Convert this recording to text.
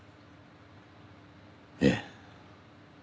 ええ。